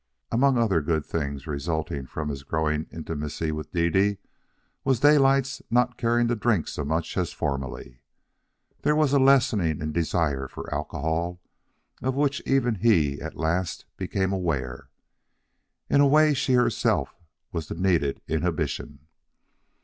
Among other good things resulting from his growing intimacy with Dede, was Daylight's not caring to drink so much as formerly. There was a lessening in desire for alcohol of which even he at last became aware. In a way she herself was the needed inhibition.